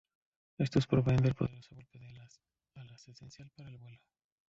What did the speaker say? Estos proveen el poderoso golpe de alas, esencial para el vuelo.